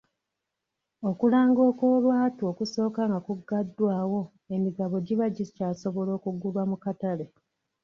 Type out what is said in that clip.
Okulanga okw'olwatu okusooka nga kuggaddwawo emigabo giba gikyasobola okugulirwa mu katale.